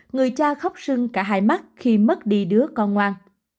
người cha khóc sưng cả hai mắt khi mất đi đứa con ngoan